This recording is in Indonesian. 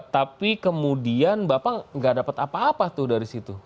tapi kemudian bapak nggak dapat apa apa tuh dari situ